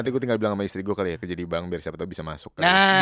nanti gue tinggal bilang sama istri gue kali ya ke jadi bank biar siapa tau bisa masuk kan